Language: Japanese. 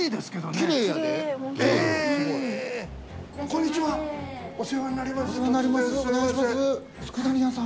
こんにちはお世話になります。